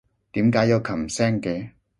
點解有琴聲嘅？